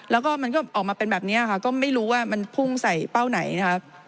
แล้วก็มันก็ออกมาเป็นแบบนี้ค่ะก็ไม่รู้ว่ามันพุ่งใส่เป้าไหนนะครับ